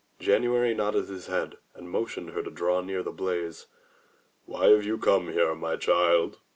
'* January nodded his head and motioned her to draw near the blaze. "Why have you come here, my child?